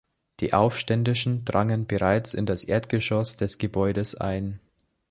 Die Aufständischen drangen bereits in das Erdgeschoss des Gebäudes ein.